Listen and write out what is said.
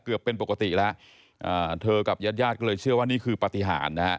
เป็นปกติแล้วเธอกับญาติญาติก็เลยเชื่อว่านี่คือปฏิหารนะฮะ